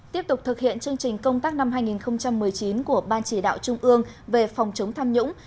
tiếp tục thực hiện chương trình công tác năm hai nghìn một mươi chín của ban chỉ đạo trung ương về phòng chống tham nhũng